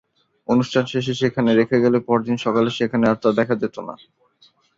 অনুষ্ঠান শেষে সেখানে রেখে গেলে পরদিন সকালে সেখানে আর তা দেখা যেত না।